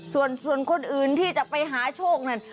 ส่วนคนอื่นที่จะไปหาโชคนั่น